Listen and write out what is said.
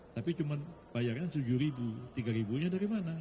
tapi cuma bayarnya tujuh ribu tiga ribunya dari mana